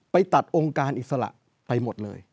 ไปตัดองค์การอิสระไปหมดเลย